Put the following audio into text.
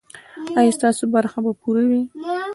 ایا ستاسو برخه به پوره وي؟